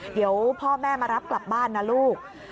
เดี๋ยวพ่อแม่มารับกลับบ้านนะลูก